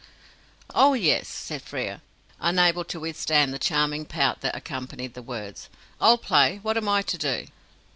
"Oh, yes!" says Frere, unable to withstand the charming pout that accompanied the words. "I'll play. What am I to do?"